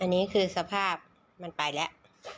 อันนี้คือสภาพมันไปแล้ว